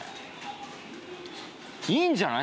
いいんじゃない？